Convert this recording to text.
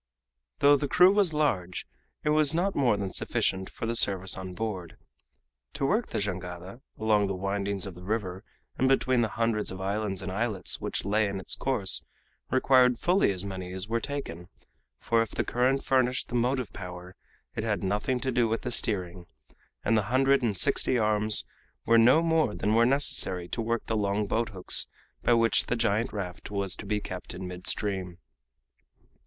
Though the crew was large, it was not more than sufficient for the service on board. To work the jangada along the windings of the river and between the hundreds of islands and islets which lay in its course required fully as many as were taken, for if the current furnished the motive power, it had nothing to do with the steering, and the hundred and sixty arms were no more than were necessary to work the long boathooks by which the giant raft was to be kept in mid stream.